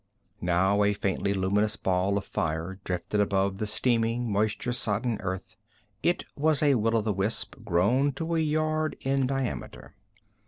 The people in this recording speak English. Now a faintly luminous ball of fire drifted above the steaming, moisture sodden earth. It was a will o' the wisp, grown to a yard in diameter.